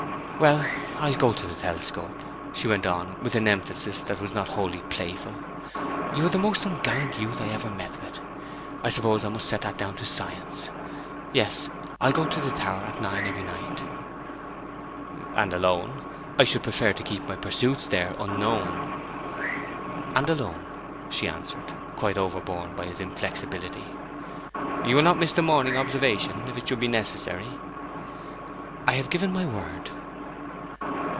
'Well, I'll go to the telescope,' she went on, with an emphasis that was not wholly playful. 'You are the most ungallant youth I ever met with; but I suppose I must set that down to science. Yes, I'll go to the tower at nine every night.' 'And alone? I should prefer to keep my pursuits there unknown.' 'And alone,' she answered, quite overborne by his inflexibility. 'You will not miss the morning observation, if it should be necessary?' 'I have given my word.'